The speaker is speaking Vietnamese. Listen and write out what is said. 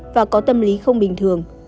và có tâm lý không bình thường